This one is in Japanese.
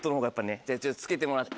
じゃあちょっとつけてもらって。